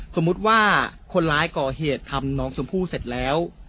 สมมุติว่าคนร้ายก่อเหตุทำน้องชมพู่เสร็จแล้ว